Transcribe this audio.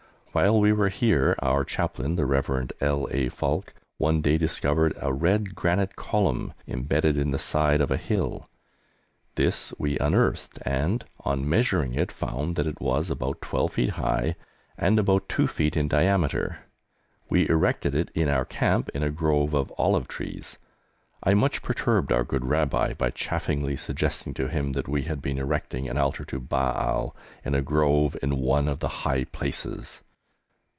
While we were here our Chaplain, the Rev. L. A. Falk, one day discovered a red granite column embedded in the side of a hill. This we unearthed and, on measuring it, found that it was about 12 feet high and about 2 feet in diameter. We erected it in our camp in a grove of olive trees. I much perturbed our good Rabbi by chaffingly suggesting to him that we had been erecting an altar to Baal, in a grove, in one of the high places!